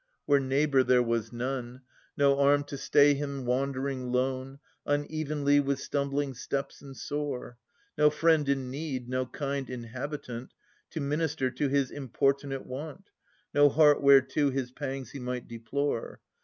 Where neighbour there was none: No arm to stay him wandering lone, Unevenly, with stumbling steps and sore ; No friend in need, no kind inhabitant, To minister to his importunate want. No heart whereto his pangs he might deplore.